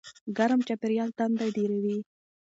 ګرم چاپېریال تنده ډېروي.